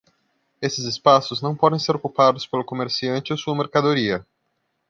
Esses espaços não podem ser ocupados pelo comerciante ou sua mercadoria.